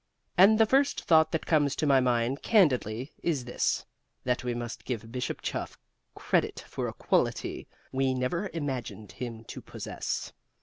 "And the first thought that comes to my mind, candidly, is this, that we must give Bishop Chuff credit for a quality we never imagined him to possess.